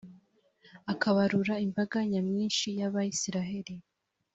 akabarura imbaga nyamwinshi y’abayisraheli?